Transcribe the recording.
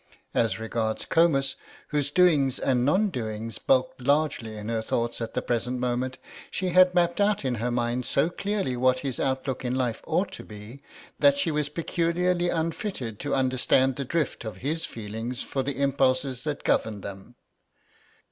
As regards Comus, whose doings and non doings bulked largely in her thoughts at the present moment, she had mapped out in her mind so clearly what his outlook in life ought to be, that she was peculiarly unfitted to understand the drift of his feelings or the impulses that governed them.